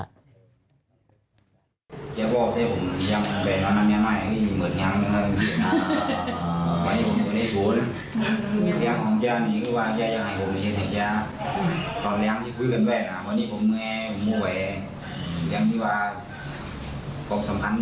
รีบที่รี๊งของแจ้นี้นิยว่าแจ้ยายายงัยกลุ่มส่วนเหยียดอะไรของแจ้